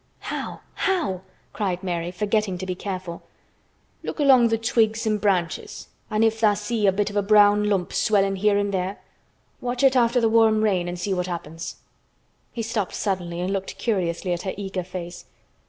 "How—how?" cried Mary, forgetting to be careful. "Look along th' twigs an' branches an' if tha' see a bit of a brown lump swelling here an' there, watch it after th' warm rain an' see what happens." He stopped suddenly and looked curiously at her eager face.